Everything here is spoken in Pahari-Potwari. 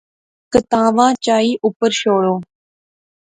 کتاواں چائی اوپر شوڑو